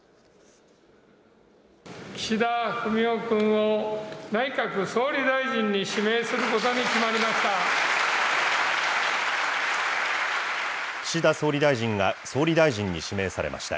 岸田文雄君を、内閣総理大臣に指名することに決まりました。